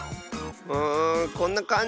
うんこんなかんじ。